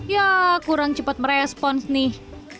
ya kurang cepat merespons nih